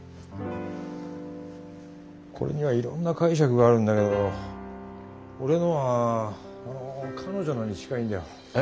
これにはいろんな解釈があるんだけど俺のはあの彼女のに近いんだよ。え？